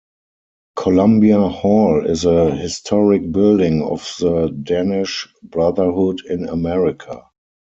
Columbia Hall is a historic building of the Danish Brotherhood in America.